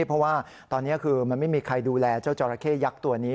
เพราะว่าตอนนี้คือมันไม่มีใครดูแลเจ้าจอราเข้ยักษ์ตัวนี้